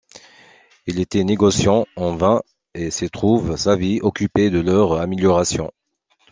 Il était négociant en vin et s'est toute sa vie occupé de leur amélioration.